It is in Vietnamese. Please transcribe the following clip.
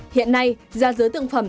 hiện nay giá dứa tượng phẩm